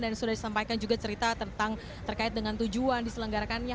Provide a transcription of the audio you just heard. dan sudah disampaikan juga cerita terkait dengan tujuan diselenggarakannya